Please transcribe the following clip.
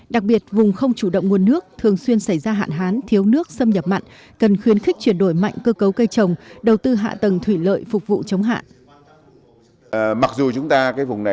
đặc biệt vùng không chủ động nguồn nước thường xuyên xảy ra hạn hán thiếu nước xâm nhập mặn cần khuyến khích chuyển đổi mạnh cơ cấu cây trồng đầu tư hạ tầng thủy lợi phục vụ chống hạn